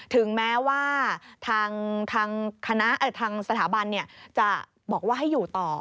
ถึงแม้ว่าทางคณะทางสถาบันจะบอกว่าให้อยู่ต่อ